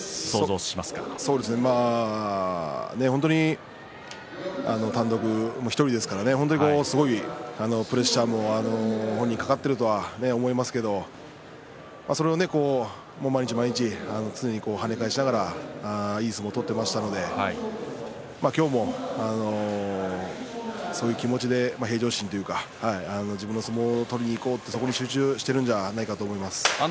本当に単独、１人ですからねすごくプレッシャーを本人、かかってると思いますがそれを毎日毎日常に跳ね返しながらいい相撲を取っていましたので今日もそういう気持ちで平常心というか自分の相撲を取りにいこうそこに集中しているんじゃないかと思います。